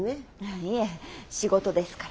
いいえ仕事ですから。